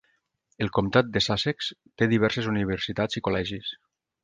El comptat de Sussex té diverses universitats i col·legis.